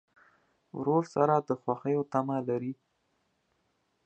ورور سره د خوښیو تمه لرې.